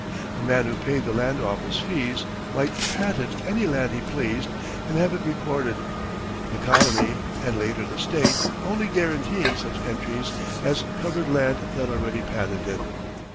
A man who paid the land office fees might "patent" any land he pleased and have it recorded, the colony, and later the State, only guaranteeing such entries as covered land not already patented.